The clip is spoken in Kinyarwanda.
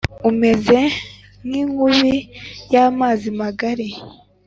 umeze nk’inkubi y’amazi magari!